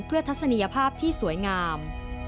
เพื่อทัศนียภาพที่สวยงาม